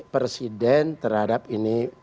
presiden terhadap ini